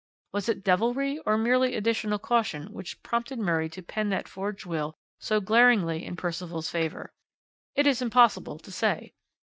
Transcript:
Was it devilry or merely additional caution which prompted Murray to pen that forged will so glaringly in Percival's favour? It is impossible to say.